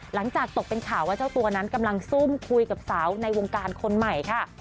หลังจากตกเป็นข่าวว่าเจ้าตัวนั้นกำลังซุ่มคุยกับสาวในวงการคนใหม่ค่ะ